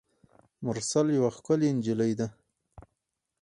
مرسل یوه ښکلي نجلۍ ده.